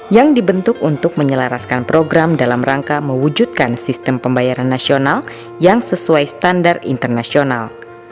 yang dibentuk untuk menyelaraskan program dalam rangka mewujudkan sistem pembayaran nasional yang sesuai standar internasional